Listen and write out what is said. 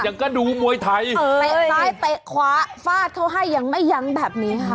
ยังก็ดูมวยไทยเออเตะซ้ายเตะขวาฟาดเขาให้ยังไม่ยั้งแบบนี้ค่ะ